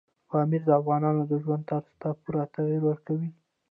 پامیر د افغانانو د ژوند طرز ته پوره تغیر ورکوي.